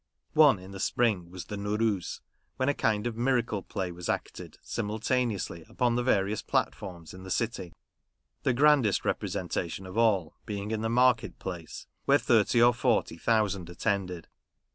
One in the spring was the Noorooz, when a kind of miracle play was acted simultaneously upon the various platforms in the city ; the grandest representation of all being in the market place, where thirty or forty thousand attended.